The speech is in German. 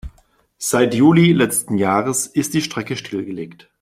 Seit Juli letzten Jahres ist die Strecke stillgelegt.